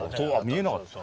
見えなかった。